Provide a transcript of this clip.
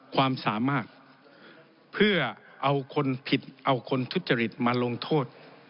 ความสามารถเพื่อเอาคนผิดเอาคนทุจริตมาลงโทษ